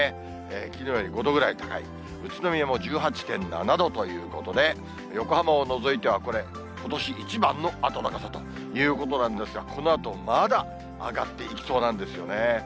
きのうより５度ぐらい高い、宇都宮も１８．７度ということで、横浜を除いては、これ、ことし一番の暖かさということなんですが、このあと、まだ上がっていきそうなんですよね。